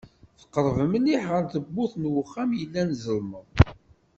Tqerreb mliḥ ɣer tewwurt n uxxam yellan ẓelmeḍ.